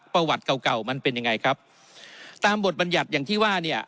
ประวัติเก่าเก่ามันเป็นยังไงครับตามบทบรรยัติอย่างที่ว่าเนี่ย